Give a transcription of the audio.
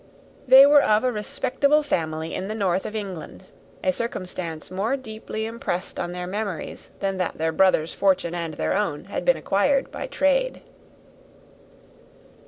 They were of a respectable family in the north of England; a circumstance more deeply impressed on their memories than that their brother's fortune and their own had been acquired by trade.